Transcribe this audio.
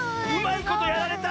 いことやられた！